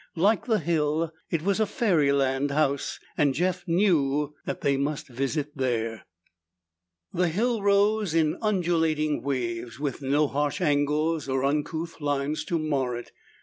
Like the hill, it was a fairyland house and Jeff knew that they must visit there. The hill rose in undulating waves, with no harsh angles or uncouth lines to mar it.